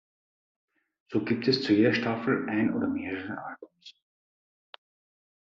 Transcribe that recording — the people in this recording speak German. So gibt es zur jeder Staffel ein oder mehrere Albums.